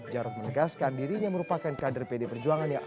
jarod menegaskan dirinya merupakan kader pd perjuangan yang awal